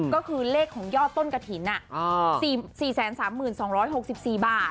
ก็คือเลขของยอดต้นกระถิ่น๔๓๒๖๔บาท